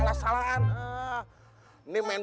lo sudah ngajarmana